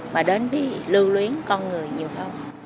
mà đến vì lưu luyến con người nhiều hơn